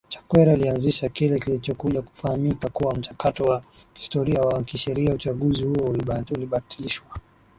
Chakwera alianzisha kile kilichokuja kufahamika kuwa mchakato wa kihistoria wa kisheriaUchaguzi huo ulibatilishwa